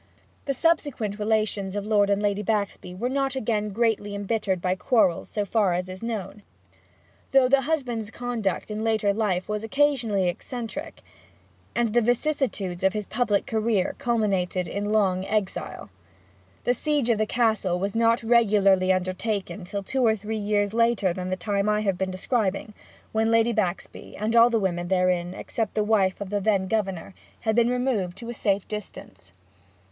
The subsequent relations of Lord and Lady Baxby were not again greatly embittered by quarrels, so far as is known; though the husband's conduct in later life was occasionally eccentric, and the vicissitudes of his public career culminated in long exile. The siege of the Castle was not regularly undertaken till two or three years later than the time I have been describing, when Lady Baxby and all the women therein, except the wife of the then Governor, had been removed to safe distance.